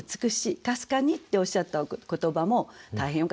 「幽かに」っておっしゃった言葉も大変よかったと思います。